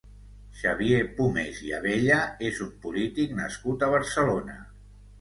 Xavier Pomés i Abella és un polític nascut a Barcelona.